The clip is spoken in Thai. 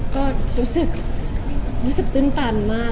ก็รู้สึกตื้นตันมาก